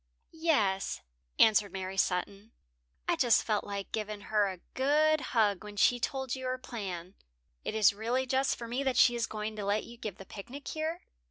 "Yes," answered Mary Sutton, "I just felt like giving her a good hug when she told you her plan. It is really just for me that she is going to let you give the picnic here."